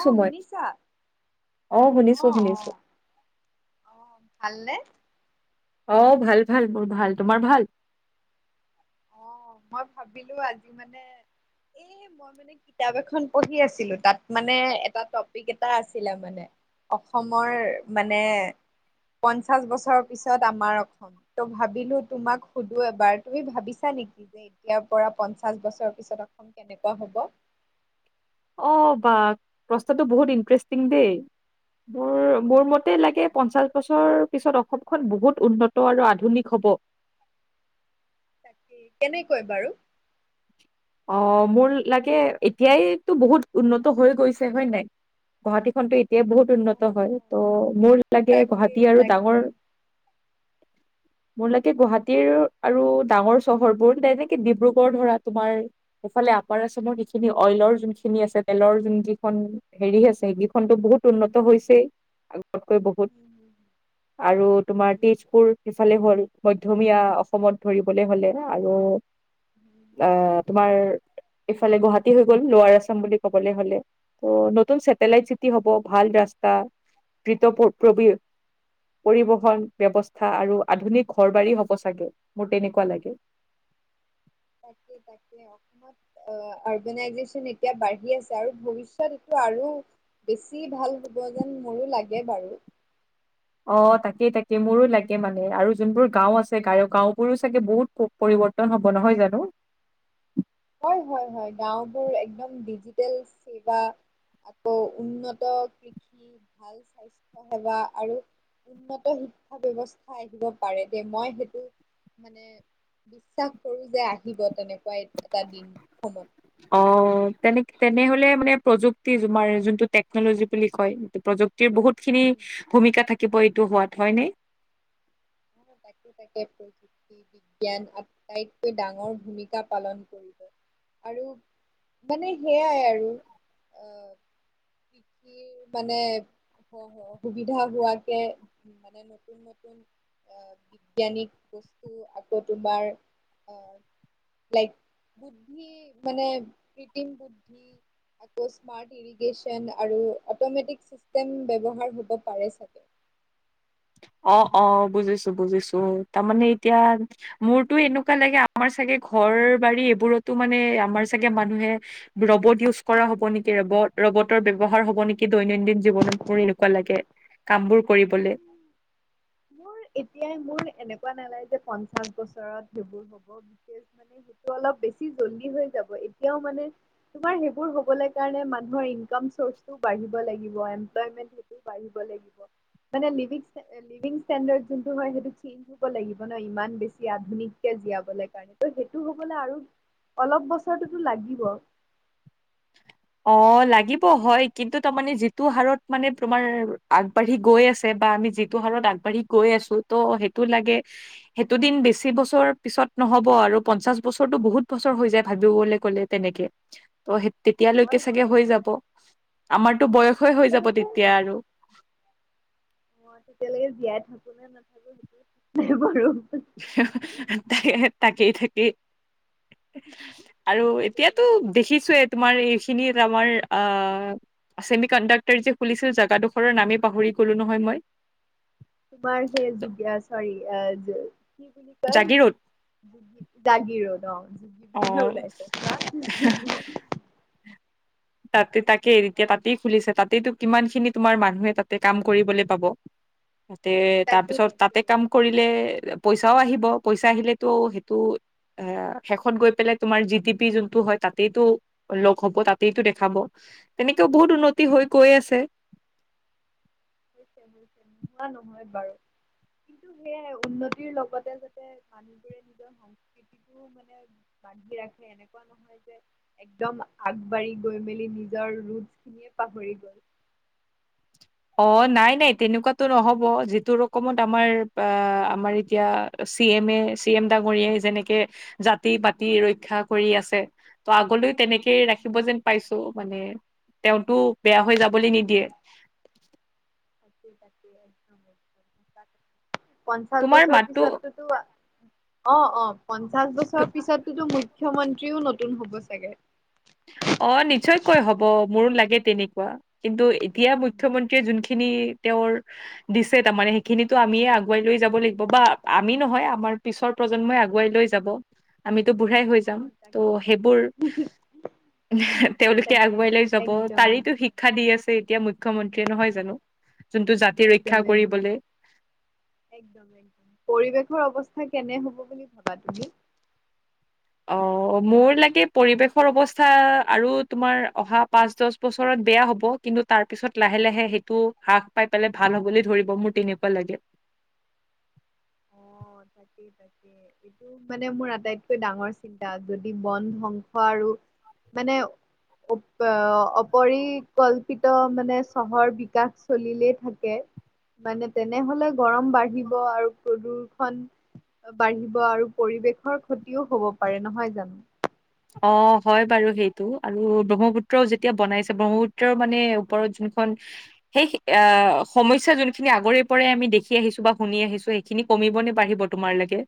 অ শুনিছো মই শুনিছা অ, শুনিছো-শুনিছো। অ, ভালনে? অ, ভাল-ভাল মোৰ ভাল, তোমাৰ ভাল? অ, মই ভাবিলো আজি মানে এই মই মানে কিতাপ এখন পঢ়ি আছিলো তাত মানে এটা টপিক এটা আছিলে মানে। অসমৰ মানে পঞ্চাশ বছৰৰ পিছত আমাৰ অসমত। ত' ভাবিলো তোমাক সুধো এবাৰ তুমি ভাবিছা ভাবা নেকি যে এতিয়াৰ পৰা পঞ্চাশ বছৰ পিছত অসম কেনেকুৱা হ'ব? অ, বা প্ৰশ্নটো বহুত ইণ্টাৰেষ্টিং দেই মোৰ মোৰ মতে, তে লাগে পঞ্চাশ বছৰৰ পিছত অসমখন বহুত উন্নত আৰু আধুনিক হ'ব। তাকে কেনেকৈ বাৰু অ, মোৰ লাগে এতিয়াইতো বহুত উন্নত হৈ গৈছে হয় নাই। গুৱাহাটী খনতো এতিয়া বহুত অ উন্নত হয় ত' মোৰ লাগে, তাকে গুৱাহাটী আৰু তাকে ডাঙৰ [unintelligible] মোৰ লাগে গুৱাহাটীৰ আৰু ডাঙৰ চহৰ বোৰ হেনকে ডিব্ৰুগড় ধৰা তোমাৰ। এইফালে আপাৰ আচামৰ যিখিনি অইলৰ যোন খিনি আছে, তেলৰ যোন যিখন হেৰি আছে সেকেইখনতো বহুত উন্নত হৈছেই। কৈ বহুত আৰু তোমাৰ তেজপুৰ। সিফালে হল, মধ্যমীয়া অসমত ধৰিবলে হলে আৰু আহ, তোমাৰ এইফালে গুৱাহাটী হৈ গ'ল লোৱাৰ আছাম বুলি ক'বলৈ হলে। ত' নতুন চছেটেলাইট চিটি হব, ভাল ৰাস্তা পৰিবহন ব্যৱস্থা আৰু আধুনিক ঘৰ বাৰী হ'ব চাগে মোৰ তেনেকুৱা লাগে। তাকেই-তাকেই। অৰ্গনাইজেচন এতিয়া বাঢ়ি আছে আৰু ভৱিষ্যৎত এইটো আৰু। বেছি ভাল হ'ব যেন মোৰো লাগে বাৰু। অঁ তাকেই তাকে মোৰো লাগে মানে আৰু যোনবোৰ গাঁও আছে গ গাওঁ বোৰো চাগে বহুত পৰিৱৰ্তন হ'ব নহয় জানো। হয়-হয়-হয় গাওঁবোৰ একদম ডিজিটেল কিবা। আকৌ উন্নত কৃষি ভাল স্বাস্থ্য সেৱা আৰু। উন্নত শিক্ষা ব্যৱস্থা আহিব পাৰে দে। মই সেইটো মানে বিশ্বাস কৰো যে আহিব তেনেকুৱা এটা দিন সয়মত। অ, তেনে - তেনেহলে মানে প্ৰযুক্তি তোমাৰ যোনটো টেকনলজি বুলি কয়। প্ৰযুক্তিৰ বহুত খিনি উম ভূমিকা থাকিব এইটো হোৱাত হয় নে। তাকে - তাকে। বিজ্ঞান আটাইতকৈ ডাঙৰ ভূমিকা পালন কৰিব আৰু মানে সেইয়াই আৰু আহ, কি মানে সুবিধা হোৱাকে। মানে নতুন - নতুন আহ বিজ্ঞানিক বস্তু আকৌ তোমাৰ আ লাইক মানে - মানে কৃত্ৰিম বুদ্ধি আকৌ স্মাৰ্ট ইৰিগেশচন আৰু অটমেটিক চিষ্টেম ব্যৱহাৰ হ'ব পাৰে চাগে। অ', অ', বুজিছো - বুজিছো তাৰমানে এতিয়া মোৰতো এনেকুৱা লাগে আমাৰ চাগে ঘৰ বাৰী এইবোৰতো মানে আমাৰ চাগে মানুহে ৰবট ইউজ কৰা হ'ব নেকি, ৰব ৰবটৰ ব্যৱহাৰ হ'ব নেকি দৈনন্দিন জীৱনত মোৰ এনেকুৱা লাগে। কাম বোৰ কৰিবলৈ। চাগে। মোৰ এতিয়াই মোৰ এনেকুৱা নালাগে পঞ্চাশ বছৰত সেইবোৰ হব বিশেষ। মানে সেইটো অলপ বেছি জল্দি হৈ যাব। এতিয়াও মানে তোমাৰ সেইবোৰ হবলৈ কাৰণে মানুহৰ ইনকাম চচটু বাহিব লাগিব। বাঢ়িব লাগিব। মানে লিভিং ষ্টেন ষ্টেনদাৰ যোনটো হয় সেইটো চেইঞ্জ বাঢ়িব লাগিব ন ইমান বেছি আধুনিককে- জীয়াবলে কাৰণে ত সেইটো হবলে আৰু- অলপ বছৰটোতো লাগিব। অ, লাগিব হয় কিন্তু তাৰমানে যিটো হাৰত মানে তোমাৰ আগবাঢ়ি গৈ আছে বা আমি যি হাৰত আগবাঢ়ি গৈ আছো ত' সেইটো লাগে। সেইটো দিন বেছি বছৰ পিছত নহ'ব আৰু পঞ্চাশ বছৰটো বহুত বছৰ হৈ যায় ভাবিবলৈ ক'লে। তেনেকে ত সে এতিয়ালৈকে হয় চাগে হয় হৈ যাব আমাৰতো বয়সেই হৈ যাব তেতিয়ালৈকে তেতিয়া আৰু মই তেতিয়ালৈকে জীয়াই থাকো নে নাথাকো সেইটো নাই বাৰু তাকে - তাকেই ঠিকেই। আৰু তাকেই এতিয়াতো দেখিছোৱেই তোমাৰ এইখিনিত আমাৰ আহ ছেমি কণ্ডাক্টাৰ যে খুলিছিল জগাডোখৰৰ নামেই পাহৰি গলো নহয় মই। তোমাৰ সেই য চৰি কি বুলি জাগিৰোড কয়। জাগিৰোদ অ, জহে অ' ওলাইছে। তাতে- তাকেই তেতিয়া অ তাতেই খুলিছে। তাতেইতো কিমান খিনি তোমাৰ মানুহে তাতে কাম কৰিবলৈ পাব তাতে তাকেই তাৰপিছত তাতে তাকেই কাম কৰিলে পইচাও আহিব পইচা আহিলেতো সেইটো এ শেষত গৈ পেলাই তোমাৰ জিটি পি যোনটো হয় তাতেই টো লগ হ'ব তাত সেইটো দেখাব তেনেকেও বহুত উন্নতি হৈ গৈ আছে। নোহোৱা নহয় বাৰু। কিন্তু সেয়ে উন্নতিৰ লগতে যাতে মানুহবোৰে নিজৰ সংস খেতিতো মানে বান্ধি ৰাখে এনেকুৱা নহয়। [unintelligible] একদম আগবাঢ়ি গৈ মেলি নিজৰ ৰোট খিনিয়ে পাহৰি গল। অ, নাই - নাই তেনেকুৱাতো নহব যিটো ৰকমত আমাৰ আ আমাৰ এতিয়া চি এম এ - চি এম ডাঙৰীয়াই যেনেকে জাতি পাতি ৰক্ষা কৰি আছে। ত' আগলৈ তেনেকেই উম ৰাখিব উম যেন পাইছো মানে তেওঁতো বেয়া হৈ যাবলৈ নিদিয়ে। পঞ্চাশ তোমাৰ বছৰৰ মাতটো পিছতো। [unintelligible] তো অ', অ', পঞ্চাশ তো- বছৰ পিছতো মোৰ মুখ্যমন্ত্ৰীও নতুন হ'ব চাগে। অ, নিশ্চয়কৈ হব মোৰো লাগে তেনেকুৱা কিন্তু এতিয়া মুখ্যমন্ত্ৰীয়ে যোনখিনি তেওঁৰ দিছে তাৰমানে সেইখিনিতো আমিয়ে আগুৱাই লৈ যাব লাগিব বা আমি নহয় আমাৰ। পিছৰ প্ৰজন্মই আগুৱাই লৈ যাব আমিতো বুঢ়াই হৈ যাম অ', তাকে ত' তাকে সেইবোৰ, তাকে তেওঁলোকে তাকে আগুৱাই লৈ যাব একদম তাৰেতো একদম। শিক্ষা দি আছে এতিয়া মুখ্যমন্ত্ৰীয়ে নহয় জানো। যোনটো জাতি ৰক্ষা একদম একদম, কৰিবলৈ একদম একদম পৰিৱেশৰ অৱস্থা কেনে হব বুলি ভাবা তুমি। অঁ মোৰ লাগে পৰিৱেশৰ অৱস্থা আৰু তোমাৰ অহা পাঁচ দহ বছৰত বেয়া হ'ব। কিন্তু তাৰ পিছত লাহে লাহে সেইটো হ্ৰাস পাই পেলাই ভাল হ'বলৈ ধৰিব মোৰ তেনেকুৱা লাগে। তাকে তাকে, এইটো মানে মোৰ আটাইতকৈ ডাঙৰ চিন্তা যদি বন ধ্বংস আৰু মানে, অপৰিকল্পিত মানে চহৰ বিকাশ চলিলেই থাকে। মানে তেনেহলে গৰম বাঢ়িব আৰু প্ৰদূ ষণ বাঢ়িব আৰু পৰিৱেশৰ ক্ষতিও হব পাৰে নহয় জানো। অ হয় বাৰু সেইটো আৰু ব্ৰহ্মপুত্ৰও যেতিয়া বনাইছে ব্ৰহ্মপুত্ৰও মানে ওপৰত যোনখন। সেই আহ সমস্যা যোনখিনি আগৰে পৰাই আমি দেখি আহিছো বা শুনি আহিছো। সেই খিনি কমিব নে বাঢ়িব তোমাৰ লাগে।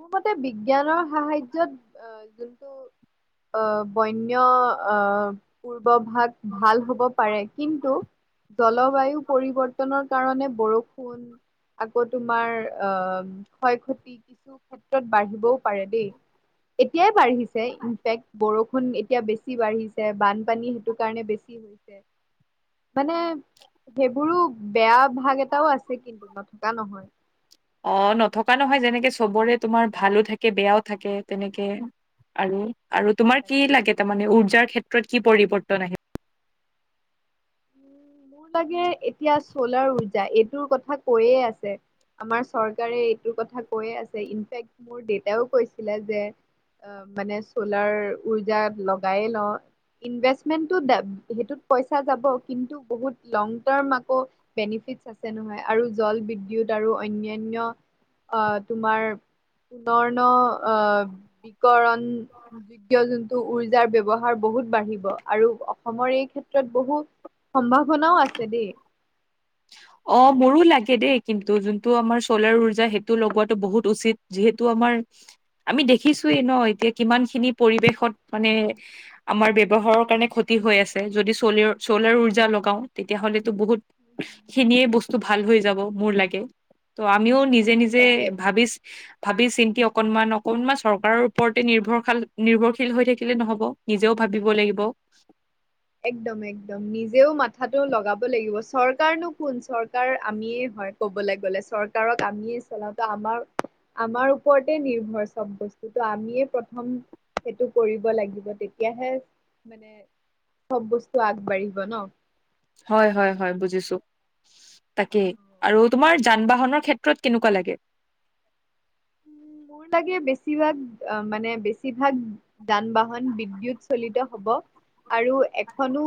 মোৰ মতে বিজ্ঞানৰ সাহাৰ্য্যত যোনটো, অ বন্য অ, পূৰ্বভাগ ভাল হ'ব পাৰে কিন্তু জলবায়ু পৰিৱৰ্তনৰ, কাৰণে বৰষুণ আকৌ তোমাৰ অ ক্ষয় ক্ষতি কিছু, ক্ষেত্ৰত বাঢ়িবও পাৰে দেই, এতিয়াই বাঢ়িছে ইনফেক্ট বৰষুণ এতিয়া বেছি বাঢ়িছে বানপানী সেইটো কাৰণে বেছি, মানে, সেইবোৰো বেয়া ভাগ এটাও আছে কিন্তু নথকা নহয়। অ নথকা নহয় যেনেকে চবৰে তোমাৰ ভালো থাকে বেয়াও থাকে তেনেকে। আৰু আৰু তাকে তোমাৰ কি তাকে লাগে তাৰমানে উৰ্জাৰ ক্ষেত্ৰত কি পৰিবৰ্তন আহিল। মোৰ লাগে এতিয়া চলাৰ উৰ্জা এইটোৰ কথা কৈয়ে আছে। আমাৰ চৰকাৰে এইটো কথা কৈয়ে আছে ইনফেক্ট মোৰ দেউতায়েও কৈছিলে যে অ মানে চলাৰ উৰ্জা লগাই লওঁ, ইনভেষ্টমেন সেইটোত পইচা যাব কিন্তু বহুত লং টাৰ্ম আকৌ, বেনিফিট আছে নহয় আৰু জল বিদ্যুৎ আৰু অন্যান্য। আহ তোমাৰ পুনৰৰ্ণ আহ বিকৰণ। যোগ্য যোনটো উৰ্জাৰ ব্যৱহাৰ বহুত বাঢ়িব আৰু অসমৰ এই ক্ষেত্ৰত বহু, সম্ভাৱনাও আছে দেই। অ মোৰো লাগে দেই কিন্তু যোনটো আমাৰ চ'লাৰ ওৰ্জা সেইটো লগোৱাটো বহুত উচিত। যিহেতু আমাৰ আমি দেখিছোয়েই ন এতিয়া কিমান খিনি পৰিৱেশত মানে আমাৰ ব্যৱহাৰৰ কাৰণে ক্ষতি হৈ আছে যদি চল চলাৰ উৰ্জা লগাও তেতিয়াহলেতো বহুত উম হুম হুম। খিনিয়ে বস্তু ভাল হৈ যাব মোৰ লাগে, ত' আমিও অ' নিজে তাকে নিজে তাকে ভাবিছ ভাবি চিন্তি অকনমান অকনমান চৰকাৰৰ ওপৰতে নিৰ্ভৰশাল নিৰ্ভৰশীল হৈ থাকিলে নহব। নিজেও ভাবিব লাগিব। একদম একদম নিজেও মাথাতো লগাব লাগিব চৰকাৰনো কোন চৰকাৰ আমিয়ে হয়। ক'বলৈ গ'লে চৰকাৰক আমিয়ে চলাওঁতে আমাৰ আমাৰ ওপৰতে নিৰ্ভৰ চব বস্তু ত আমিয়ে প্ৰথম। সেইটো কৰিব লাগিব তেতিয়াহে মানে চব বস্তু আগবাঢ়িব ন। হয় হয় হয় বুজিছো তাকেই অ', আৰু তাকে। তোমাৰ যান বাহনৰ ক্ষেত্ৰ এ কেনেকুৱা লাগে। মোৰ লাগে বেছিভাগ মানে বেছিভাগ যান বাহন বিদ্যুৎ চলিত হব আৰু এখনো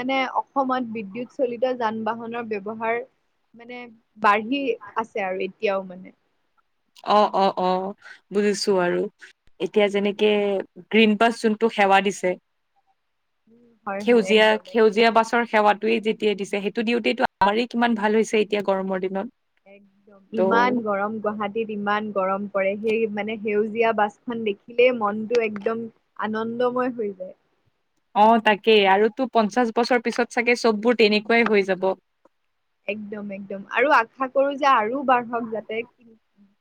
মানে অসমত বিদ্যুৎ চলিত যান বাহনৰ ব্যৱহাৰ মানে বাঢ়ি আছে আৰু এতিয়াও মানে অ'-অ'-অ' বুজিছোঁ আৰু এতিয়া যেনেকে গ্ৰীণ বাছ যোনটো সেৱা দিছে। উম, হয়, হয়, একদম, একদম। সেউজীয়া-সেউজীয়া বাছৰ সেৱাটো যেতিয়াই দিছে সেইটো দিওঁতেটো আমাৰেই কিমান ভাল হৈছে এতিয়া গৰমৰ দিনত। একটো ত' ইমান গৰম গুৱাহাটী ইমান গৰম পৰে সেই মানে সেউজীয়া বাছখন দেখিলেই মনটো একদম আনন্দময় হৈ যায়। অ' তাকেই আৰু তো পঞ্চাশ বছৰ পিছত চাগে চববোৰ তেনেকুৱাই হৈ যাব। একদম-একদম আৰু আশা কৰোঁ যে আৰু বাঢ়ক যাতে।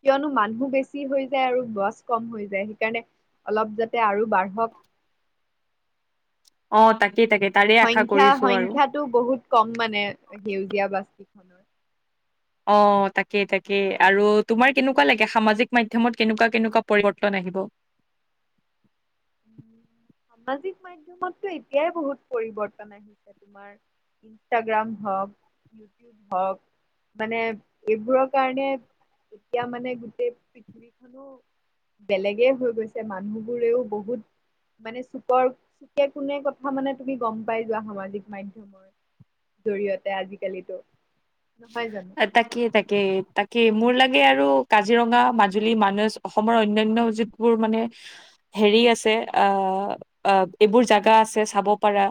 কিয়নো মানুহ বেছি হৈ যায় আৰু গছ কম হৈ যায় সেইকাৰণে অলপ যাতে আৰু বাঢ়ক। অ' তাকে-তাকে তাৰে আশা কৰিছোঁ আৰু। ভিৰতো বহুত কম মানে সেউজীয়া বাছ অ' তাকেই-তাকেই আৰু তোমাৰ কেনেকুৱা লাগে সামাজিক মাধ্যমত কেনেকুৱা-কেনেকুৱা পৰিৱৰ্তন আহিব। সামাজিক মাধ্যমতো এতিয়াই বহুত পৰিৱৰ্তন আহিছে তোমাৰ ইনষ্টাগ্ৰাম হওঁক হওঁক মানে এইবোৰৰ কাৰণে এতিয়া মানে গোটেই পৃথিৱীটো বেলেগে হৈ গৈছে মানুহবোৰেও বহুত মানে চুকৰ চুকে কোনে কথা মানে তুমি গম পাই যোৱা সামাজিক মাধ্যমৰ জৰিয়তে আজিকালিতো নহয় জানোঁ। তাকেই-তাকেই-তাকেই মোৰ লাগে আৰু কাজিৰঙা, মাজুলী, মানাহ অসমৰ অন্যান্য যি বোৰ মানে হেৰি আছে অ'-অ', এইবোৰ জাগা আছে চাব পাৰা।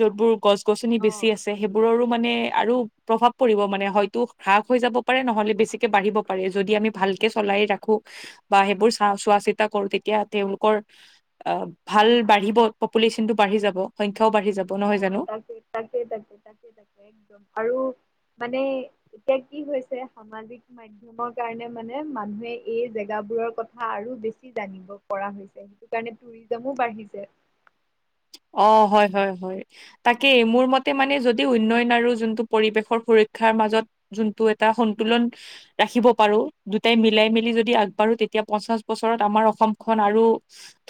য'তবোৰ গছ-গছনি অ বেছি আছে সেইবোৰৰো মানে আৰু প্ৰভাৱ পৰিব মানে হয়তো হ্ৰাস হৈ যাব পাৰে নহ'লে বেছিকে বাঢ়িব পাৰে যদি আমি ভালকে চলাই ৰাখো। বা সেইবোৰ চা চোৱা-চিতা কৰোঁ তেতিয়া তেওঁলোকৰ অ' ভাল বাঢ়িব পপুলেশ্যনটো বাঢ়ি যাব সংখ্যাও বাঢ়ি যাব। নহয় অ' জানো তাকে তাকেই তাকে তাকেই তাক। আৰু মানে এতিয়া কি হৈছে সামাজিক মাধ্য মাধ্যমৰ কাৰণে মানে মানুহে এই জেগাবোৰৰ কথা আৰু বেছি জানিব পৰা হৈছে। সেই কাৰণে টুৰিজামো বাঢ়িছে। অ' হয়-হয়-হয়। তাকেই মোৰ মতে মানে যদি উন্নয়ন আৰু যোনটো পৰিৱেশৰ সুৰক্ষাৰ মাজত যোনটো এটা সন্তুলন ৰাখিব পাৰোঁ দুটাই মিলাই মিলি যদি আগবাঢ়ো তেতিয়া পঞ্চাশ বছৰত আমাৰ অসমখন আৰু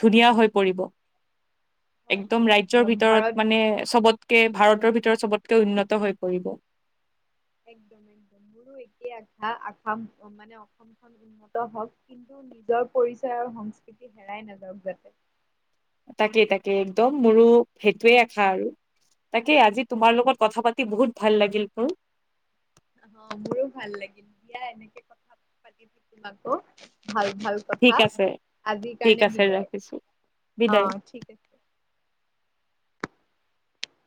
ধুনীয়া হৈ পৰিব। হয় একদম হয় ৰাজ্যৰ ভাৰত ভিতৰত মানে চবতকে ভাৰতৰ ভিতৰত চবতকে উন্নত হৈ পৰিব। একদম-একদম মোৰো একে আশা-আশা মানে অসমৰ উন্নত হওঁক কিন্তু নিজৰ পৰিচয় আৰু সংস্কৃতি হেৰাই নাযাওঁক যাতে। তাকে-তাকে একদম মোৰো সেইটোৱে আশা আৰু। তাকে আজি অ তোমাৰ লগত কথা পাতি বহুত ভাল লাগিল মোৰ। অ' মোৰো ভাল লাগিল দিয়া এনেকে কথা পাতি থাকিম আকৌ ভাল-ভাল ঠিক কথা আছে আজিৰ ঠিক কাৰণে আছে বিদায়। ৰাখিছো বিদায় অ' ঠিক আছে।